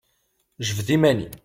Jbed iman-im!